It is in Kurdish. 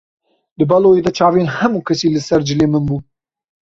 Di baloyê de çavên hemû kesî li ser cilê min bûn.